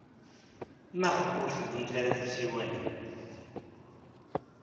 Maɣef ur tewwimt ara tisiwanin?